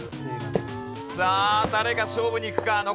さあ誰が勝負にいくか？